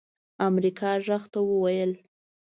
امريکا غږ ته وويل